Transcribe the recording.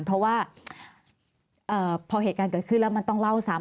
เพราะว่าพอเหตุการณ์เกิดขึ้นแล้วมันต้องเล่าซ้ำ